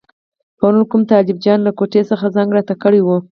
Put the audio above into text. پرون کوم طالب جان له کوټې څخه زنګ راته کړی وو.